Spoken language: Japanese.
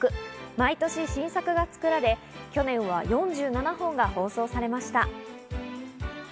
毎年新作が作られ、去年は４７本が放送されました。